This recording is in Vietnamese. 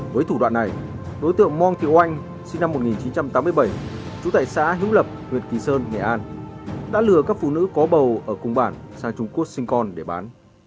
trong vụ đoạn này đối tượng mong thiếu oanh sinh năm một nghìn chín trăm tám mươi bảy trú tại xã hữu lập nguyệt kỳ sơn nghệ an đã lừa các phụ nữ có bầu ở cung bản sang trung quốc sinh con để bán